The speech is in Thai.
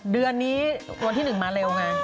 เดือนนี้วันที่๑มาเร็วไง